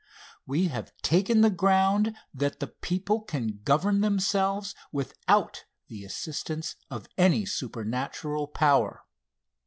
We have taken the ground that the people can govern themselves without the assistance of any supernatural power.